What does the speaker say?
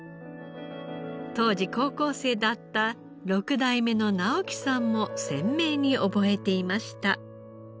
当時高校生だった６代目の直生さんも鮮明に覚えていました。